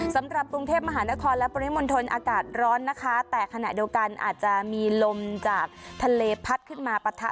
สำหรับกรุงเทพมหานครและปริมณฑลอากาศร้อนนะคะแต่ขณะเดียวกันอาจจะมีลมจากทะเลพัดขึ้นมาปะทะ